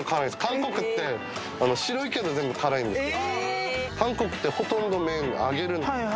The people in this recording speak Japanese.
韓国って白いけど全部辛いんですよ